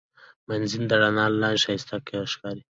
مېز د رڼا لاندې ښایسته ښکاري.